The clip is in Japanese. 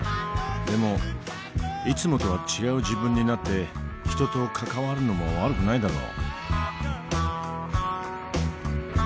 でもいつもとは違う自分になって人と関わるのも悪くないだろう？